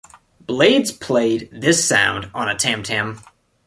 Blades played this sound on a tam-tam.